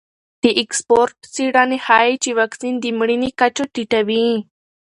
د اکسفورډ څېړنې ښیي چې واکسین د مړینې کچه ټیټوي.